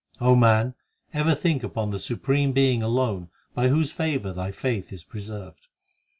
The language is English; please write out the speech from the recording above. man, ever think upon the Supreme Being alone By whose favour thy faith is preserved.